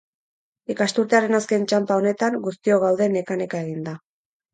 Ikasturtearen azken txanpa honetan, guztiok gaude neka-neka eginda.